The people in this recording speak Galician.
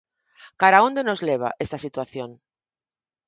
Cara a onde nos leva esta situación?